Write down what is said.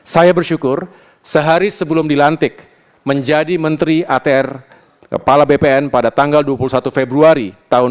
saya bersyukur sehari sebelum dilantik menjadi menteri atr kepala bpn pada tanggal dua puluh satu februari dua ribu dua puluh